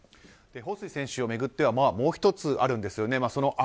ホウ・スイ選手を巡ってはもう１つあるんですよね。